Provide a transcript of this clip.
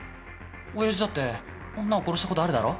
親父だって女を殺した事あるだろ？